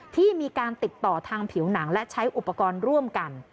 ที่มีการติดต่อทางผิวหนังและใช้อุปกรณ์ร่วมกัน